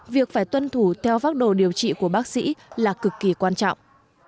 việc phải tuân thủ theo pháp đồ điều trị của bác sĩ là cực kỳ quan trọng